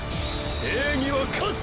正義は勝つ！